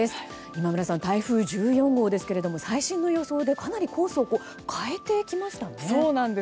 今村さん、台風１４号ですけども最新の予想でかなりコースを変えてきましたね。